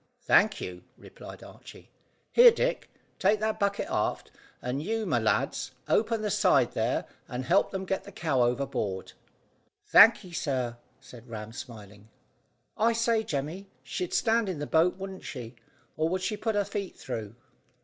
"Thank you," replied Archy. "Here, Dick, take that bucket aft, and you, my lads, open the side there, and help them to get the cow overboard." "Thank ye, sir," said Ram, smiling. "I say, Jemmy, she'd stand in the boat, wouldn't she? Or would she put her feet through?"